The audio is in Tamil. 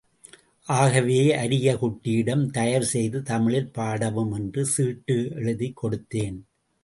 ஆகவே அரியக் குடியிடம், தயவு செய்து தமிழில் பாடவும், என்று சீட்டு எழுதிக் கொடுத்தேன்.